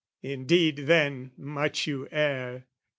Indeed, then, much you err.